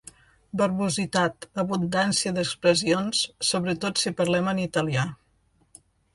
Verbositat, abundància d'expressions, sobretot si parlem en italià.